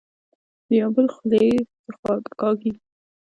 د يو بل خولې څخه خواړۀ کاږي